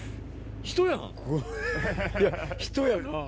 人やな。